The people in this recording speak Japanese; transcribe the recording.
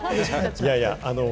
いやいや！